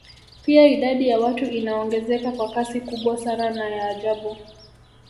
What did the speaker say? Pia idadi ya watu inaongezeka kwa kasi kubwa sana na ya ajabu